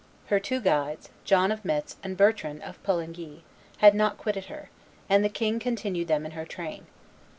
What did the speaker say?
Her two guides, John of Metz and Bertrand of Poulengy, had not quitted her; and the king continued them in her train.